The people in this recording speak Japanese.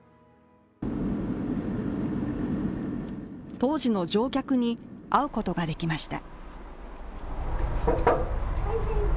当時の乗客に、会うことができました。